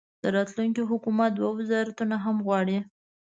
د راتلونکي حکومت دوه وزارتونه هم غواړي.